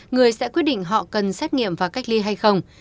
người sẽ quyết định họ cần xét nghiệm và cách ly hay không